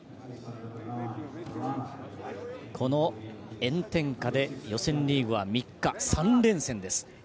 この炎天下で予選リーグは３日３連戦です。